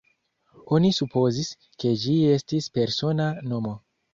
Oni supozis, ke ĝi estis persona nomo.